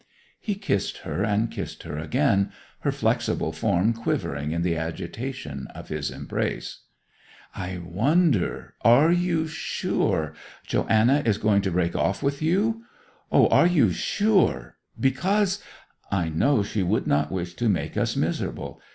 He kissed her and kissed her again, her flexible form quivering in the agitation of his embrace. 'I wonder—are you sure—Joanna is going to break off with you? O, are you sure? Because—' 'I know she would not wish to make us miserable.